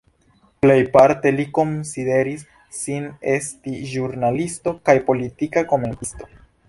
Plejparte li konsideris sin esti ĵurnalisto kaj politika komentisto.